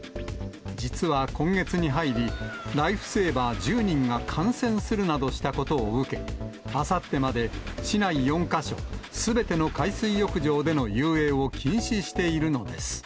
実は今月に入り、ライフセーバー１０人が感染するなどしたことを受け、あさってまで市内４か所、すべての海水浴場での遊泳を禁止しているのです。